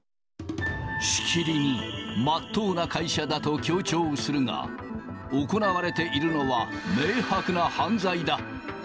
しきりにまっとうな会社だと強調するが、行われているのは明白な犯罪だ。